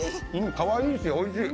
かわいいし、おいしい。